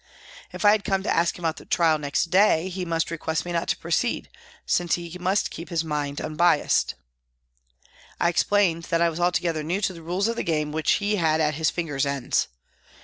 If I had come to ask him about the trial next day he must request me not to proceed, since he must keep his mind un biassed. I explained that I was altogether new to the rules of the game which he had at his fingers' ends.